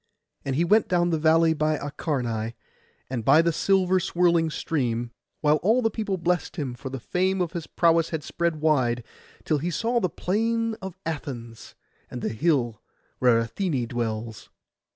And he went down the valley by Acharnai, and by the silver swirling stream, while all the people blessed him, for the fame of his prowess had spread wide, till he saw the plain of Athens, and the hill where Athené dwells.